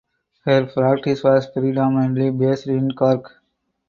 Her practice was predominantly based in Cork.